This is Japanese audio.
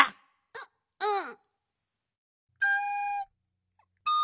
ううん。